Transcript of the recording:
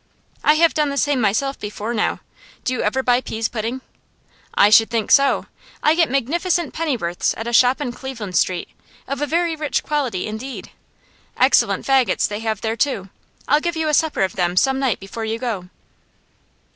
'I have done the same myself before now. Do you ever buy pease pudding?' 'I should think so! I get magnificent pennyworths at a shop in Cleveland Street, of a very rich quality indeed. Excellent faggots they have there, too. I'll give you a supper of them some night before you go.